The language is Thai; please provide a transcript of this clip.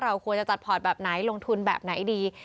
ควรจะจัดพอร์ตแบบไหนลงทุนแบบไหนดี